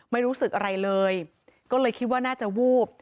ไม่รู้สึกอะไรเลยก็เลยคิดว่าน่าจะวูบ